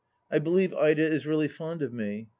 (I believe Ida is really fond of me.